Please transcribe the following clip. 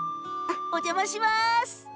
お邪魔します。